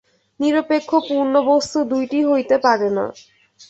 নিরপেক্ষ পূর্ণ বস্তু দুইটি হইতে পারে না।